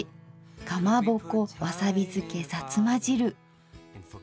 かまぼこわさびづけさつま汁。